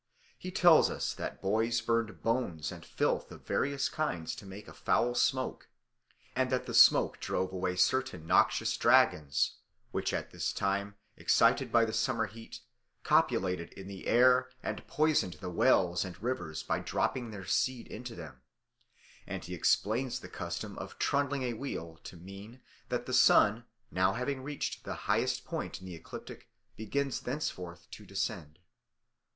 He tells us that boys burned bones and filth of various kinds to make a foul smoke, and that the smoke drove away certain noxious dragons which at this time, excited by the summer heat, copulated in the air and poisoned the wells and rivers by dropping their seed into them; and he explains the custom of trundling a wheel to mean that the sun, having now reached the highest point in the ecliptic, begins thenceforward to descend.